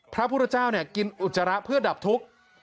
พระพุทธเจ้ากินอุจจาระเพื่อดับทุกข์